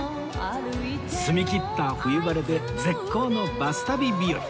澄み切った冬晴れで絶好のバス旅日和